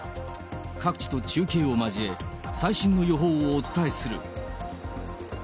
各地と中継を交え、最新の予報をお伝えする。